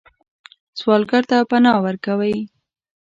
سوالګر ته پناه ورکوئ